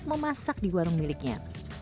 memasak di warung miliknya